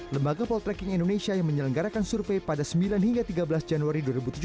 lembaga poltreking indonesia yang menyelenggarakan survei pada sembilan hingga tiga belas januari dua ribu tujuh belas